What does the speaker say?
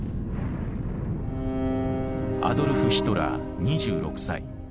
アドルフ・ヒトラー２６歳。